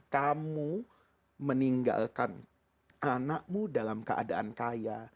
kamu meninggalkan anakmu dalam keadaan kaya